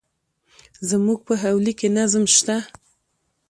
زموږ په حویلی کي نظم شته.